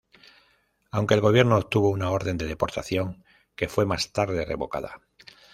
Aunque el gobierno obtuvo una orden de deportación, que fue más tarde revocada.